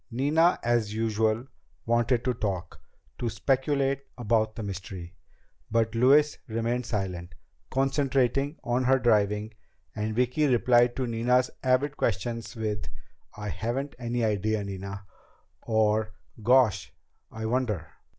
Nina, as usual, wanted to talk, to speculate about the mystery. But Louise remained silent, concentrating on her driving, and Vicki replied to Nina's avid questions with "I haven't any idea, Nina!" or "Gosh, I wonder!"